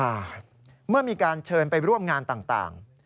อ่าเมื่อมีการเชิญไปร่วมงานต่าง